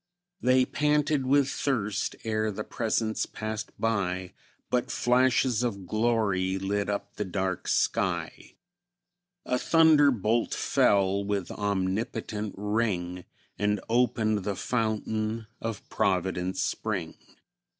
They panted with thirst, ere the Presence passed by, But flashes of glory lit up the dark sky; A thunderbolt fell, with omnipotent ring, And opened the fountain of Providence Spring.